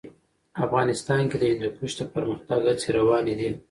افغانستان کې د هندوکش د پرمختګ هڅې روانې دي.